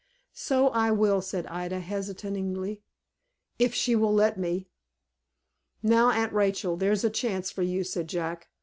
"So I will," said Ida, hesitatingly, "if she will let me." "Now, Aunt Rachel, there's a chance for you," said Jack.